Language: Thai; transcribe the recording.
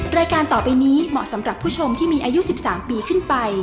รายการต่อไปนี้เหมาะสำหรับผู้ชมที่มีอายุ๑๓ปีขึ้นไป